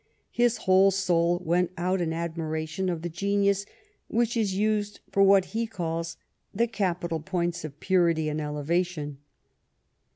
His whole soul went out in admiration of the o^enius which is used for what he calls " the capital points of purity and elevation."